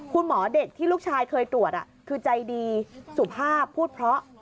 คุณหมอเด็กที่ลูกชายเคยตรวจคือใจดีสุภาพพูดเพราะ